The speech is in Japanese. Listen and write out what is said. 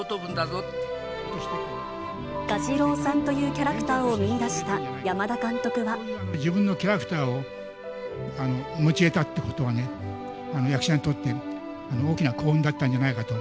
蛾次郎さんというキャラクタ自分のキャラクターを持ち得たってことはね、役者にとって大きな幸運だったんじゃないかと。